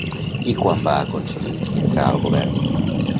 I quan va aconseguir entrar al govern?